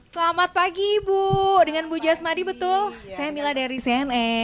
selamat pagi ibu dengan bu jasmadi betul saya mila dari cnn